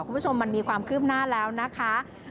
คุณผู้ชมมันมีความคืบหน้าแล้วนะคะ